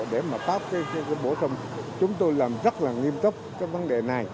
để mà báo cái bộ xong chúng tôi làm rất là nghiêm túc trong vấn đề này